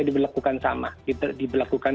diberlakukan sama diberlakukan